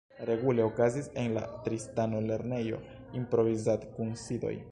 Regule okazis en la Tristano-Lernejo improvizad-kunsidoj.